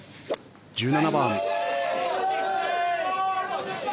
１７番。